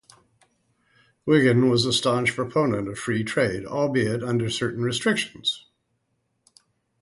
Wiggin was a staunch proponent of Free trade, albeit under certain restrictions.